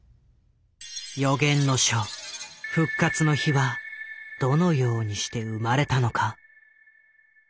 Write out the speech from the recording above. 予言の書「復活の日」はどのようにして生まれたのか。